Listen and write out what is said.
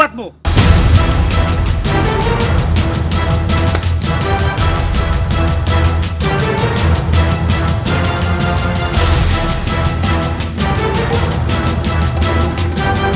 aku sudah diikat sekali